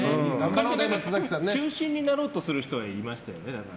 中心になろうとする人はいましたよね。